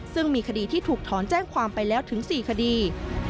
ซึ่งมีคดีที่ถูกถอนแจ้งความไปแล้วถึง๔คดี